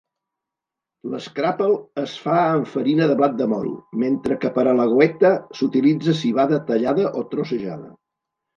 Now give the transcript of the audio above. L'"scrapple" es fa amb farina de blat de moro, mentre que per al "goetta" s'utilitza civada tallada o trossejada.